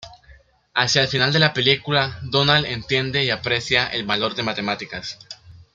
Hacia el final de la película, Donald entiende y aprecia el valor de matemáticas.